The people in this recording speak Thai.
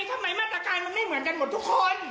ทำไมมาตรการมันไม่เหมือนกันหมดทุกคน